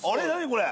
これ。